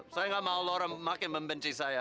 saya nggak mau orang makin membenci saya